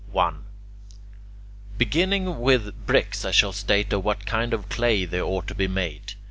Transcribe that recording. Beginning with bricks, I shall state of what kind of clay they ought to be made.